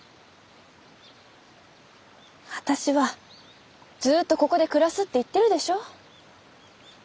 私はずっとここで暮らすって言ってるでしょ。